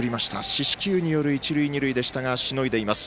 四死球による一塁二塁でしたがしのいでいます。